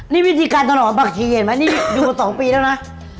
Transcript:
นี่วิธีการตอนด่อกับผักชีเห็นเหมือนดูมา๒ปีแล้วนะ